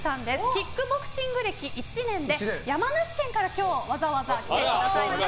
キックボクシング歴１年で山梨県から今日わざわざ来ていただきました。